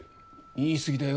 言い過ぎだよ。